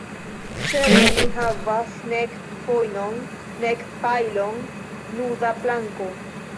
Certe, mi havas nek fojnon, nek pajlon, nuda planko.